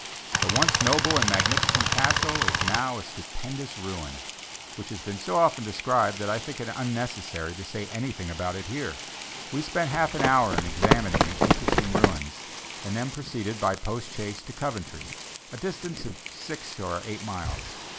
This once noble and magnificent castle is now a stupendous ruin, which has been so often described that I think it unnecessary to say anything about it here. We spent half an hour in examining the interesting ruins, and then proceeded by post chaise to Coventry, a distance of six or eight miles.